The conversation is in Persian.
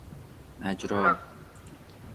مجرا